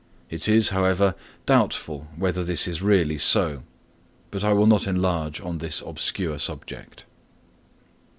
It is, however, doubtful whether this is really so; but I will not enlarge on this obscure subject.